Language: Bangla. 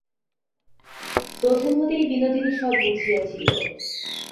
প্রথম হইতেই বিনোদিনী সব বুঝিয়াছিল।